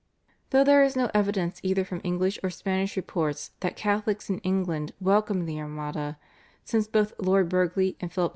Though there is no evidence either from English or Spanish reports that Catholics in England welcomed the Armada, since both Lord Burghley and Philip II.